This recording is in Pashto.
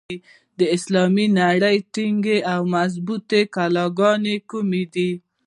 د اسلامي نړۍ ټینګې او مضبوطي کلاګانې کومي دي؟